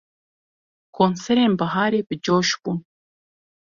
Konserên biharê bi coş bûn.